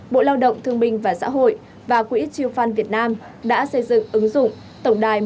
bộ lao động thương minh và xã hội và quỹ triều phan việt nam đã xây dựng ứng dụng tổng đài một trăm một mươi một